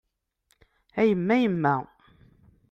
A yemma yemma!